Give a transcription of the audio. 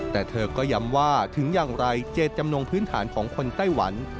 แต่เธอก็ย้ำว่าถึงอย่างไรเจตจำนงพื้นฐานของคนไต้หวัน